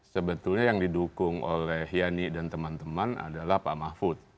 sebetulnya yang didukung oleh yani dan teman teman adalah pak mahfud